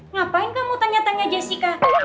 ngapain kamu tanya tanya jessica